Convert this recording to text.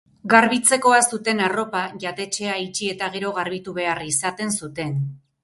Garbitzekoa zuten arropa jatetxea itxi eta gero garbitu behar izaten zuten.